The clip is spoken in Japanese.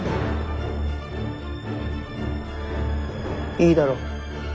いいだろう。